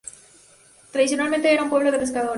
Tradicionalmente era un pueblo de pescadores.